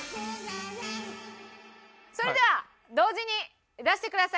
それでは同時に出してください。